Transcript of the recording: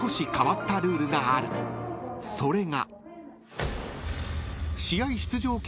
［それが］